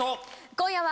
今夜は。